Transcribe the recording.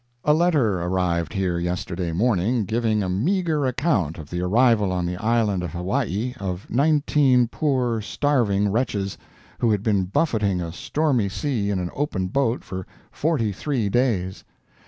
A letter arrived here yesterday morning giving a meager account of the arrival on the island of Hawaii of nineteen poor starving wretches, who had been buffeting a stormy sea in an open boat for forty three days!